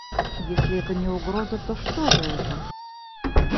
Если это не угроза, то что же это?